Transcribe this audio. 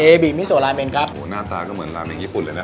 บิมิโซลาเมนครับโอ้โหหน้าตาก็เหมือนลาเมงญี่ปุ่นเลยนะ